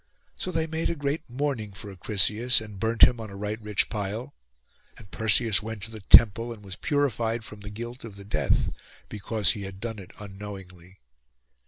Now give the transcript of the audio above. So they made a great mourning for Acrisius, and burnt him on a right rich pile; and Perseus went to the temple, and was purified from the guilt of the death, because he had done it unknowingly.